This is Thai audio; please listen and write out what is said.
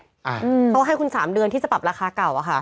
เขาให้คุณ๓เดือนที่จะปรับราคาเก่าอะค่ะ